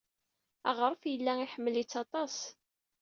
Aɣref yella iḥemmel-itt aṭas.